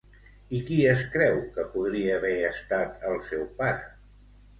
I qui es creu que podria haver estat el seu pare?